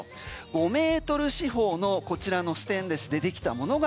５ｍ四方のこちらのステンレスでできたものが